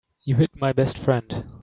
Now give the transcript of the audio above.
You hit my best friend.